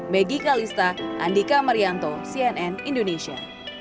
maggie calista andika marianto cnn indonesia